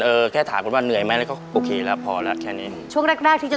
แค่ถามกันว่าเหนื่อยไหมแล้วก็โอเคแล้วพอแล้วแค่นี้ช่วงแรกแรกที่จะ